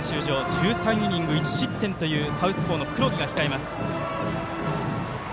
１３イニング１失点というサウスポーの黒木が控えます。